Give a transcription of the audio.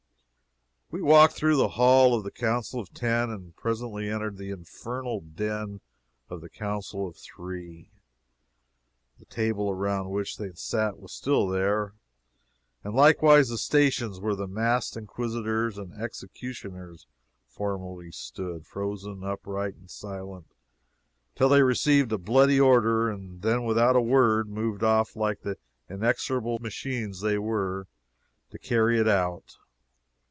We walked through the hall of the Council of Ten, and presently entered the infernal den of the Council of Three. The table around which they had sat was there still, and likewise the stations where the masked inquisitors and executioners formerly stood, frozen, upright and silent, till they received a bloody order, and then, without a word, moved off like the inexorable machines they were, to carry it out.